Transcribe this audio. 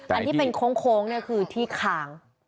อันที่เป็นโค้งเนี่ยคือที่คาง